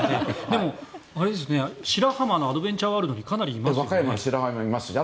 でも白浜のアドベンチャーワールドにもかなりいますよね。